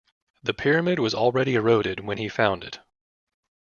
The pyramid was already eroded when he found it.